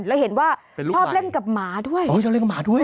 แล้วเห็นว่าชอบเล่นกับหมาด้วยโอ้ชอบเล่นกับหมาด้วย